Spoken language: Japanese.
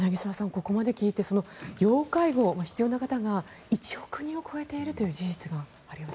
ここまで聞いて要介護、必要な方が１億人を超えているという事実があるようです。